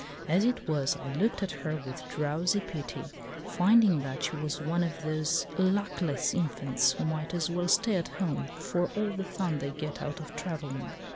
As it was, I looked at her with drowsy pity, finding that she was one of those luck less infants who might as well stay at home for all the fun they get out of travelling.